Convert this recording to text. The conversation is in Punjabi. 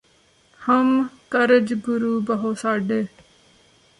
ਹਮ ਕਰਜ ਗੁਰੁੂ ਬਹੁ ਸਾਢੇ